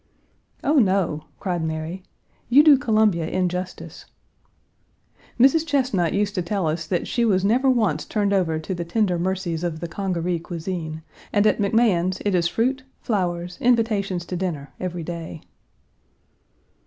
"Oh, no!" cried Mary, "you do Columbia injustice. Mrs. Chesnut used to tell us that she was never once turned over to the tender mercies of the Congaree cuisine, and at McMahan's it is fruit, flowers, invitations to dinner every day."